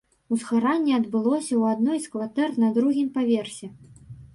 Узгаранне адбылося ў адной з кватэр на другім паверсе.